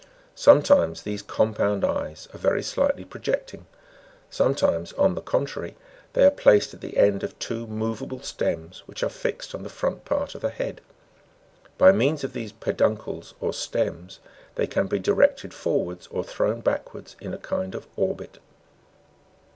Sometimes these compound eyes are very slightly projecting, sometimes, on the contrary, they are placed at^ the end of two movable stems which are fixed on the front part of the head ; by means of these peduncles or stems they can be directed forwards or thrown backwards, in a kind of orbit (as in crabs, Jig.